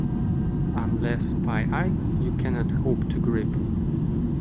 Unless pie-eyed, you cannot hope to grip.